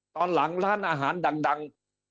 ตอนหลังร้านอาหารดัง